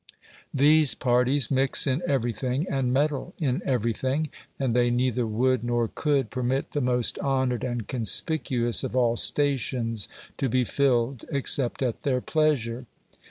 These parties mix in everything and meddle in everything; and they neither would nor could permit the most honoured and conspicuous of all stations to be filled, except at their pleasure.